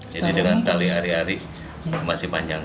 jadi dengan tali ari ari masih panjang